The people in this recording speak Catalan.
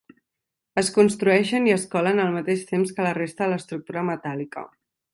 Es construeixen i es colen al mateix temps que la resta de l'estructura metàl·lica.